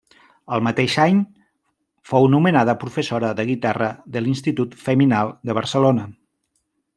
El mateix any fou nomenada professora de guitarra de l'Institut Feminal de Barcelona.